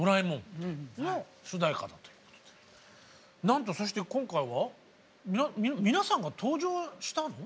なんとそして今回は皆さんが登場したの？